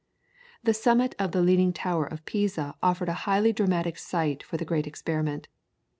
The summit of the Leaning Tower of Pisa offered a highly dramatic site for the great experiment.